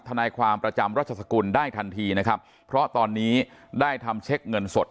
ทนายความประจำรัชสกุลได้ทันทีนะครับเพราะตอนนี้ได้ทำเช็คเงินสด